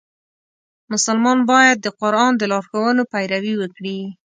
مسلمان باید د قرآن د لارښوونو پیروي وکړي.